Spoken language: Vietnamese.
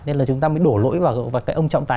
nên là chúng ta mới đổ lỗi vào cái ông trọng tài